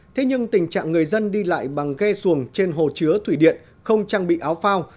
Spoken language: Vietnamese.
thế nhưng tình trạng người dân đi lại bằng ghe xuồng trên hồ chứa thủy điện không trang bị áo phao